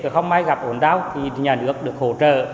không ai gặp ổn đau thì nhà nước được hỗ trợ